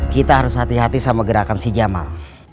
kita harus hati hati sama gerakan si jamal